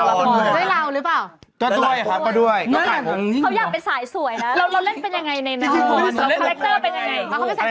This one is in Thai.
ด้วยเราหรือเปล่าก็ด้วยครับก็ด้วย